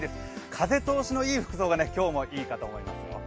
風通しのいい服装が今日もいいかと思いますよ。